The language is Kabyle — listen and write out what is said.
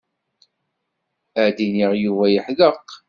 Ad d-iniɣ Yuba yeḥdeq.